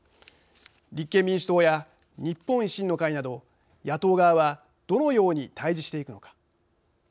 立憲民主党や日本維新の会など野党側はどのように対じしていくのか。